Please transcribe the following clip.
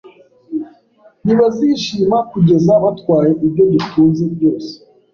Ntibazishima kugeza batwaye ibyo dutunze byose